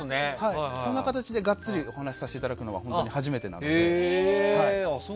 こんな形でガッツリお話しさせていただくのは本当に初めてなので。